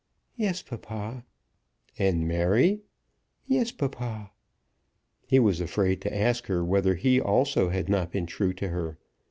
"Yes, papa." "And Mary?" "Yes, papa." He was afraid to ask her whether he also had not been true to her?